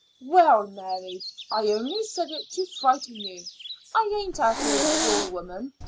"Well, Mary, I only said it to frighten you. I ain't at all a cruel woman.